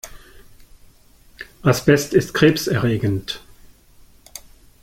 Asbest ist krebserregend.